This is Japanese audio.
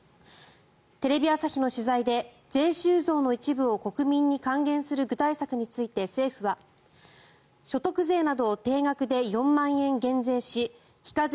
テレビ朝日の取材で税収増の一部を国民に還元する具体策について政府は、所得税などを定額で４万円減税し非課税